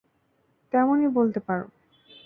তেমনই বলতে পারো।